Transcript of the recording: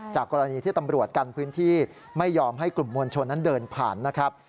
กรณีที่ตำรวจกันพื้นที่ไม่ยอมให้กลุ่มมวลชนนั้นเดินผ่านนะครับ